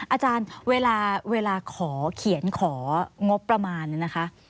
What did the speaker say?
อาจารย์เวลาขอเขียนของบประมาณเนี่ยนะคะ